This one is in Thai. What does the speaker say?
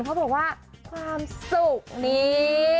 เขาบอกว่าความสุขนี้